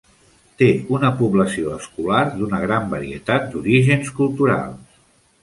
Té una població escolar d'una gran varietat d'orígens culturals.